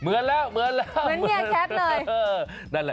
เออเหมือนแล้ว